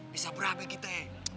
bisa berapa kita